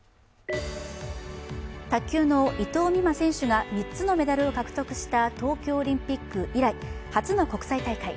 卓球の伊藤美誠選手が３つのメダルを獲得した東京オリンピック以来初の国際大会。